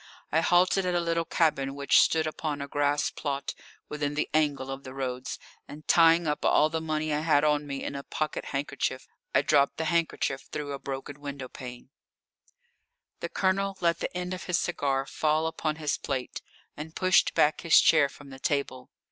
I halted at a little cabin which stood upon a grass plot within the angle of the roads, and tying up all the money I had on me in a pocket handkerchief I dropped the handkerchief through a broken window pane. The Colonel let the end of his cigar fall upon his plate, and pushed back his chair from the table.